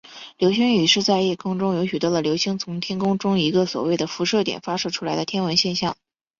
流星雨是在夜空中有许多的流星从天空中一个所谓的辐射点发射出来的天文现象。